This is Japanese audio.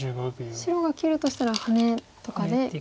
白が切るとしたらハネとかで。